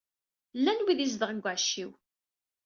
Llan wid i izedɣen deg uɛecciw.